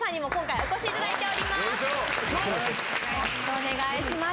よろしくお願いします。